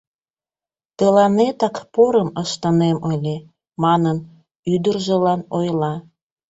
Тыланетак порым ыштынем ыле, — манын, ӱдыржылан ойла.